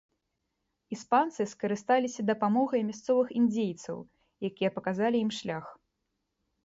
Іспанцы скарысталіся дапамогай мясцовых індзейцаў, якія паказалі ім шлях.